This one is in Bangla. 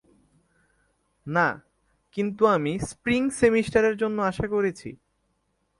না, কিন্তু আমি স্প্রিং সেমিস্টারের জন্য আশা করছি।